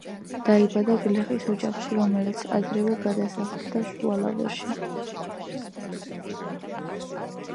დაიბადა გლეხის ოჯახში, რომელიც ადრევე გადასახლდა შულავერში.